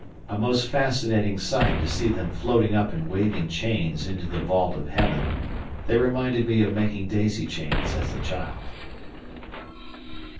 A most fascinating sight to see them floating up in waving chains into the vault of heaven; they reminded me of making daisy chains as a child.